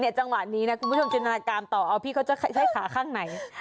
จังหวะนี้นะคุณผู้ชมจินตนาการต่อเอาพี่เขาจะใช้ขาข้างไหน